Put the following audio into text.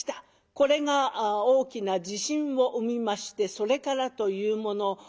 これが大きな自信を生みましてそれからというもの